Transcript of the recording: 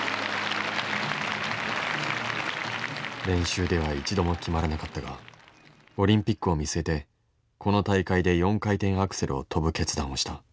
練習では一度も決まらなかったがオリンピックを見据えてこの大会で４回転アクセルを跳ぶ決断をした。